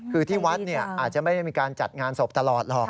คือที่วัดอาจจะไม่ได้มีการจัดงานศพตลอดหรอก